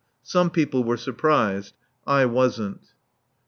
Some people were surprised. I wasn't.